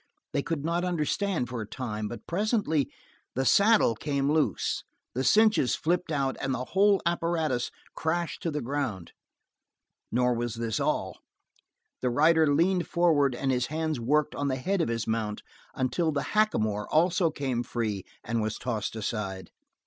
They could not understand for a time, but presently the saddle came loose, the cinches flipped out, and the whole apparatus crashed to the ground. Nor was this all. The rider leaned forward and his hands worked on the head of his mount until the hackamore also came free and was tossed aside.